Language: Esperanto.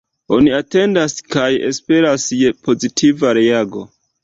Oni atendas kaj esperas je pozitiva reago.